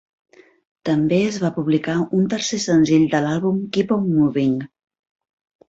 També es va publicar un tercer senzill de l'àlbum "Keep on Moving".